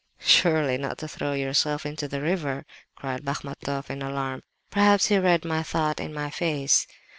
"'Surely not to throw yourself into the river?' cried Bachmatoff in alarm. Perhaps he read my thought in my face.